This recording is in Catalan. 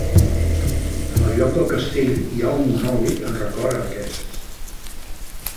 En el lloc del castell hi ha un monòlit en record a aquests.